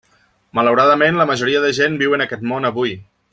Malauradament, la majoria de gent viu en aquest món avui.